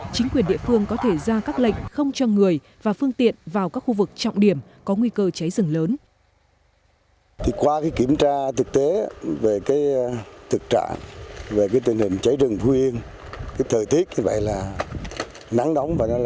chính quyền địa phương có thể ra các lệnh không cho người và phương tiện vào các khu vực trọng điểm có nguy cơ cháy rừng lớn